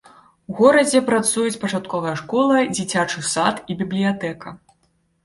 У горадзе працуюць пачатковая школа, дзіцячы сад і бібліятэка.